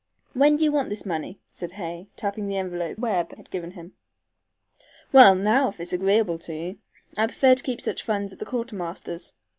When do you want this money?" said Hay, tapping the envelope Webb had given him. "Well, now, if agreeable to you. I prefer to keep such funds at the quartermaster's.